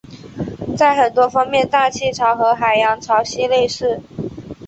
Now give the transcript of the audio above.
在很多方面大气潮和海洋潮汐类似。